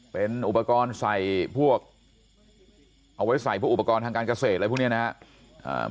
เป็นอุปกรณ์ใส่พวกเอาไว้ใส่พวกอุปกรณ์ทางการเกษตรอะไรพวกนี้นะครับ